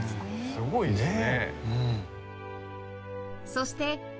すごいですね。